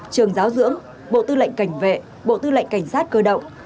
trường giáo dưỡng bộ tư lệnh cảnh vệ bộ tư lệnh cảnh sát cơ động